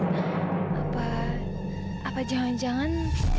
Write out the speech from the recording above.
apa apa jangan jangan